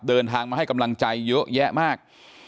เดินทางมาให้กำลังใจเยอะแยะมาก